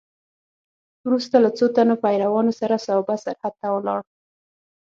وروسته له څو تنو پیروانو سره صوبه سرحد ته ولاړ.